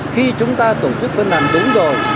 khi chúng ta tổ chức phân làm đúng rồi